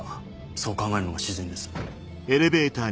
そう考えるのが自然です。